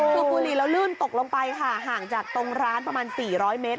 คือบุรีเราลื่นตกลงไปค่ะห่างจากตรงร้านประมาณ๔๐๐เมตร